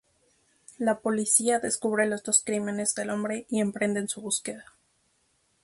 La policía descubre los dos crímenes del hombre y emprenden su búsqueda.